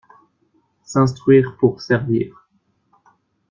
S'instruire pour servir